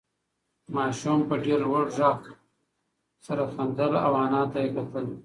ماشوم په ډېر لوړ غږ سره خندل او انا ته یې کتل.